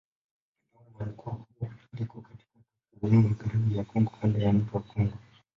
Eneo la mkoa huu liko katika kaskazini-magharibi ya Kongo kando ya mto Kongo.